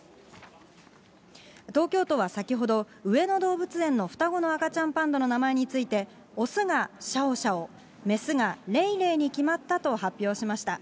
東京都は先ほど、上野動物園の双子の赤ちゃんパンダの名前について、雄がシャオシャオ、雌がレイレイに決まったと発表しました。